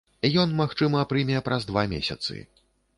Ён, магчыма, прыме праз два месяцы.